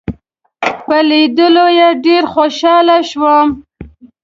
په لیدو یې ډېر خوشاله شوم.